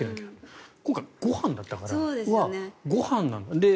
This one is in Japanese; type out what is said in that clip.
今回、ご飯だからあっ、ご飯なんだ。